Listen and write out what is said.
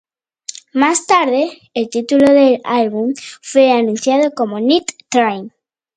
Más tarde, el título del álbum fue anunciado como Night Train.